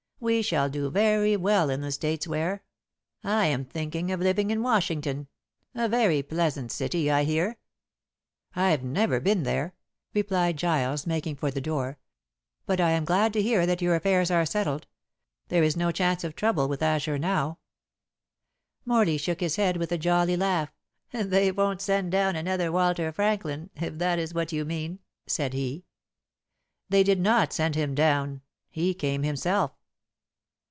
We shall do very well in the States, Ware. I am thinking of living in Washington. A very pleasant city, I hear." "I've never been there," replied Giles, making for the door, "but I am glad to hear that your affairs are settled. There is no chance of trouble with Asher now." Morley shook his head with a jolly laugh. "They won't send down another Walter Franklin, if that is what you mean," said he. "They did not send him down. He came himself."